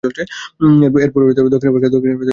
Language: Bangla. এরপূর্বে দক্ষিণ আফ্রিকা এ দলে খেলেছেন।